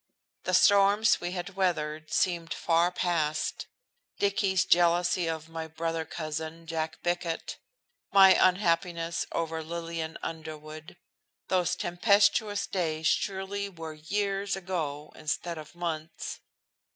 The storms we had weathered seemed far past. Dicky's jealousy of my brother cousin, Jack Bickett; my unhappiness over Lillian Underwood those tempestuous days surely were years ago instead of months.